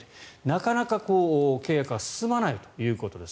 なかなか契約が進まないということです。